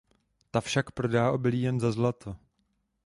Ta však prodá obilí jen za zlato.